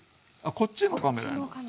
こっちのカメラに。